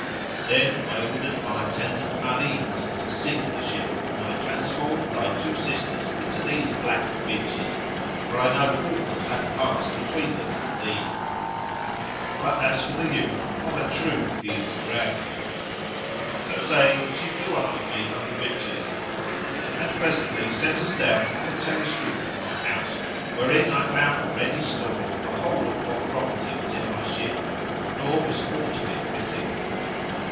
Then I ordered my attendant Marids to sink the ship and I transformed thy two sisters into these black bitches; for I know all that hath passed between them and thee; but as for the youth, of a truth he is drowned." So saying, she flew up with me and the bitches, and presently set us down on the terrace roof of my house, wherein I found ready stored the whole of what property was in my ship, nor was aught of it missing.